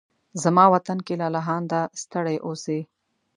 زما وطن کې لالهانده ستړي اوسې